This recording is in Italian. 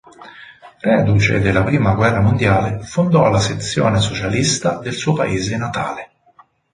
Reduce della prima guerra mondiale, fondò la sezione socialista del suo paese natale.